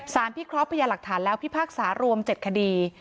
พิเคราะห์พญาหลักฐานแล้วพิพากษารวม๗คดี